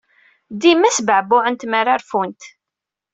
Dima sbeɛbuɛent mi ara rfunt.